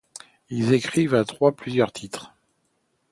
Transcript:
Ils écrivent à trois plusieurs titres.